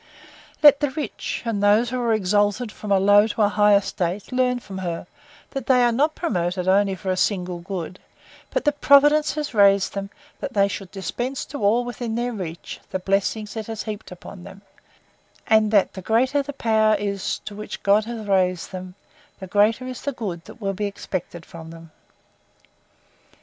Let the rich, and those who are exalted from a low to a high estate, learn from her, that they are not promoted only for a single good; but that Providence has raised them, that they should dispense to all within their reach, the blessings it has heaped upon them; and that the greater the power is to which God hath raised them, the greater is the good that will be expected from them.